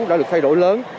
đã được thay đổi lớn